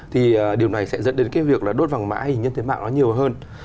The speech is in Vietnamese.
thì điều này sẽ dẫn đến cái việc là đốt vàng mã hình nhân thế mạng nó nhiều hơn